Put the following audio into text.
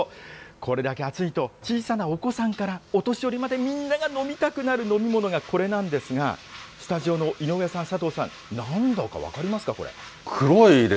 これだけ暑いと、小さなお子さんからお年寄りまで、みんなが飲みたくなる飲み物がこれなんですが、スタジオの井上さん、佐藤さん、なんだか分かりますか、これ。